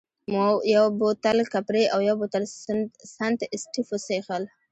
مو یو بوتل کپري او یو بوتل سنت اېسټېف وڅېښل.